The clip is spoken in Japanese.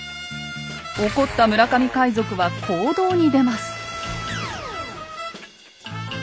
怒った村上海賊は行動に出ます。